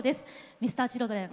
Ｍｒ．Ｃｈｉｌｄｒｅｎ